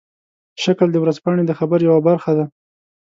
شکل د ورځپاڼې د خبر یوه برخه ده.